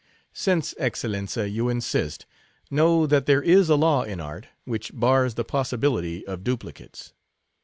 "Since, Excellenza, you insist, know that there is a law in art, which bars the possibility of duplicates.